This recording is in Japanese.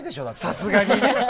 さすがにね。